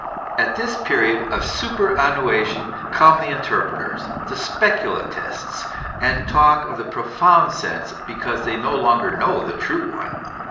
At this period of superannuation come the inter preters, the speculatists, and talk of the profound sense, because they no longer know the true one.